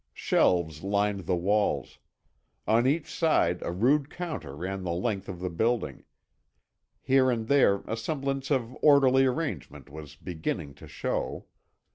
Shelves lined the walls. On each side a rude counter ran the length of the building. Here and there a semblance of orderly arrangement was beginning to show.